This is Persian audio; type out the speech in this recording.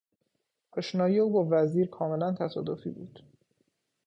آشنایی او با وزیر کاملا تصادفی بود.